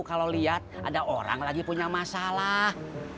kalau lihat ada orang lagi punya masalah